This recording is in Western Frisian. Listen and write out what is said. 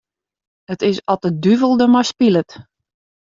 It is oft de duvel dermei spilet.